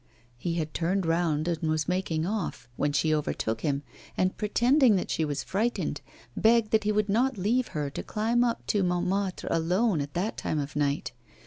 He had turned round and was making off, when she overtook him, and, pretending that she was frightened, begged that he would not leave her to climb up to Montmartre alone at that time of night.